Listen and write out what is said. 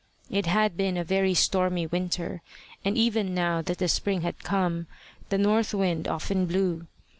It had been a very stormy winter, and even now that the spring had come, the north wind often blew.